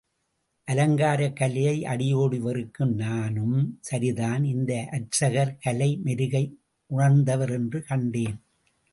அலங்காரக் கலையை அடியோடு வெறுக்கும் நானும், சரிதான் இந்த அர்ச்சகர் கலை மெருகை உணர்ந்தவர் என்று கண்டேன்.